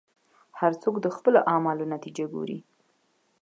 هر څوک د خپلو اعمالو نتیجه ګوري.